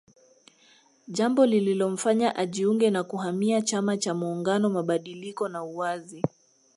Jambo lililomfanya ajiunge na kuhamia chama cha muungano mabadiliko na uwazi